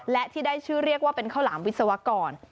และที่ได้ชื่อเรียกว่าเป็นข้าวหลามวิศวกร